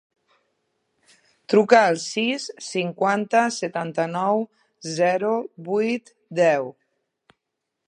Truca al sis, cinquanta, setanta-nou, zero, vuit, deu.